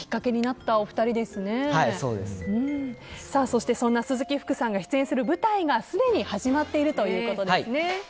そして、そんな鈴木福さんが出演する舞台がすでに始まってるということですね。